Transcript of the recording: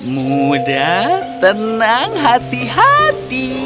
mudah tenang hati hati